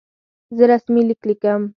زه رسمي لیک لیکم.